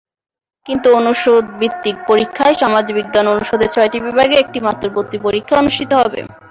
কিন্তু অনুষদভিত্তিক পরীক্ষায় সমাজবিজ্ঞান অনুষদের ছয়টি বিভাগে একটিমাত্র ভর্তি পরীক্ষা অনুষ্ঠিত হবে।